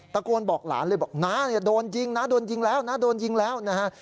ตะโกนบอกหลานเลยบอกนะโดนยิงนะโดนยิงแล้วนะโดนยิงแล้วนะฮะ